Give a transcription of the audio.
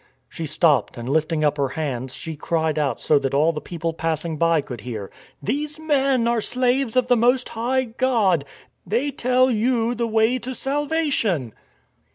She stopped and lifting up her hands, she cried out so that all the people passing by could hear :*' These men are slaves of the Most High God. They tell you the way to salvation."